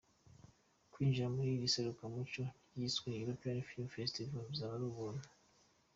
Kwinjira muri iri serukiramuco ryiswe “European Film Festival” bizaba ari ubuntu.